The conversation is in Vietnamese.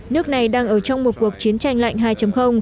nước này đang ở trong một cuộc chiến tranh lạnh hai